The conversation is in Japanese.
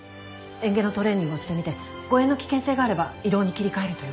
嚥下のトレーニングをしてみて誤嚥の危険性があれば胃ろうに切り替えるという事で。